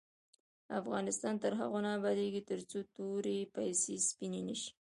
افغانستان تر هغو نه ابادیږي، ترڅو توري پیسې سپینې نشي.